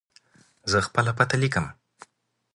زه خپله پته لیکم.